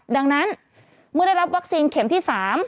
ดังนั้นเมื่อได้รับวัคซีนเข็มที่๓